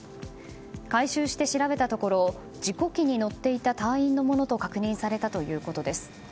回収して調べたところ事故機に乗っていた隊員のものと確認されたということです。